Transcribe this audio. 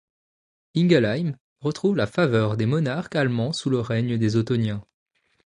Ingelheim retrouve la faveur des monarques allemands sous le règne des Ottoniens.